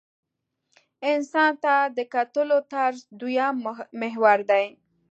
انسان ته د کتلو طرز دویم محور دی.